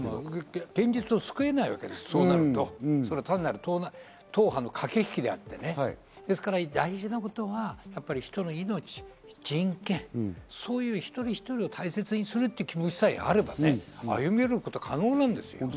現実を救えないわけですから、そうなると、党派の駆け引きであって、ですから大事なことは、人の命、人権、そういう一人一人を大切にするという気持ちさえあれば歩み寄ることは可能なんです。